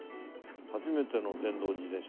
初めての電動自転車。